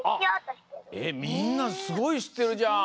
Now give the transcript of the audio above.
えっみんなすごいしってるじゃん。